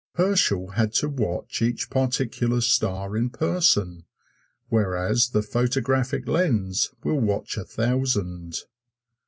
Herschel had to watch each particular star in person, whereas the photographic lens will watch a thousand.